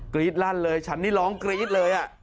กรี๊ดล่ะฉันนี้หลองกรี๊ดเลย